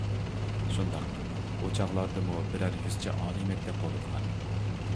شۇنداق، شۇ چاغلاردىمۇ بىرەر يۈزچە ئالىي مەكتەپ بولىدىغان.